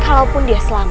kau pundi aslan